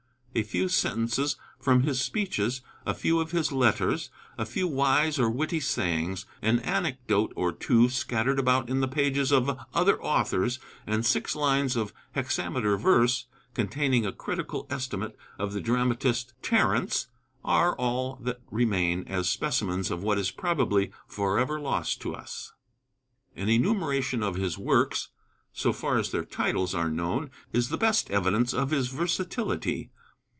A few sentences from his speeches, a few of his letters, a few wise or witty sayings, an anecdote or two scattered about in the pages of other authors, and six lines of hexameter verse, containing a critical estimate of the dramatist Terence, are all that remain as specimens of what is probably forever lost to us. [Illustration: JULIUS CÆSAR.] An enumeration of his works, so far as their titles are known, is the best evidence of his versatility.